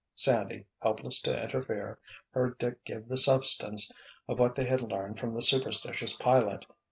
Sandy, helpless to interfere, heard Dick give the substance of what they had learned from the superstitious pilot.